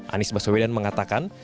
anies baswedan mengatakan